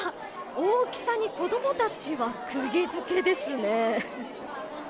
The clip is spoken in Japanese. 大きさに子供たちは釘付けですね。